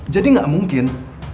jadi gak mungkin